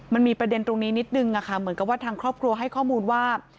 มันมีประเด็นตรงนี้นิดนึงค่ะเหมือนกับว่าทางครอบครัวให้ข้อมูลว่า